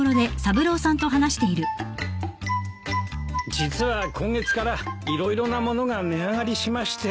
実は今月から色々なものが値上がりしまして。